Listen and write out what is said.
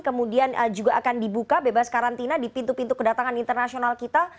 kemudian juga akan dibuka bebas karantina di pintu pintu kedatangan internasional kita